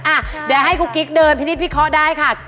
อ่ะเดี๋ยวให้กุ๊กกิ๊กเดินพี่นิดพี่คอได้ค่ะ